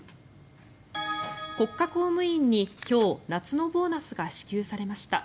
国家公務員に今日夏のボーナスが支給されました。